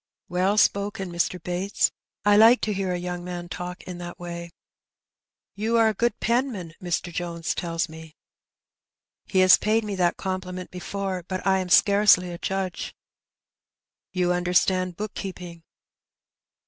'' "Well spoken, Mr. Bates. I like to hear a young man talk in that way. You are a good penman, Mr. Jones tells me." "He has paid me that compliment before, but I am scarcely a judge." ''You understand bookkeeping?''